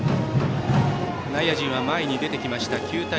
内野陣は前に出てきました。